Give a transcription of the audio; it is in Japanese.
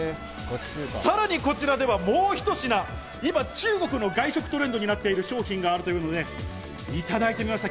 さらにこちらではもうひと品、今、中国の外食トレンドになっている商品があるということでいただいてみました。